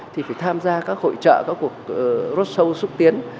thì phải tham gia các hội trợ các cuộc rodshow xúc tiến